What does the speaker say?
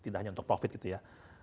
tidak hanya untuk profit gitu ya